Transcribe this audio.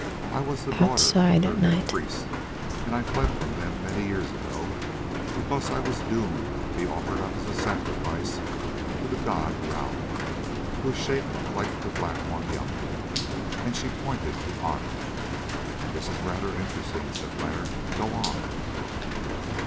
I was the daughter of their head priest, and I fled from them many many years ago, because I was doomed to be offered up as a sacrifice to the god Jâl, he who is shaped like the Black One yonder," and she pointed to Otter. "This is rather interesting," said Leonard; "go on."